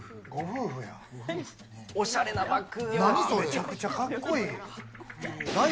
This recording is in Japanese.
おしゃれなバッグ。